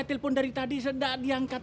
tip kamar setengah